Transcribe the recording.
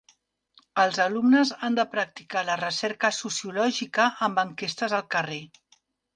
Els alumnes han de practicar la recerca sociològica amb enquestes al carrer.